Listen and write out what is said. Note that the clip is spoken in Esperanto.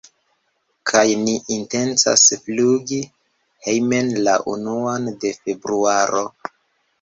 kaj ni intencas flugi hejmen la unuan de februaro.